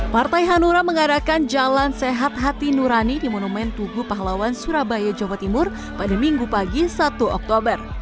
partai hanura mengadakan jalan sehat hati nurani di monumen tugu pahlawan surabaya jawa timur pada minggu pagi satu oktober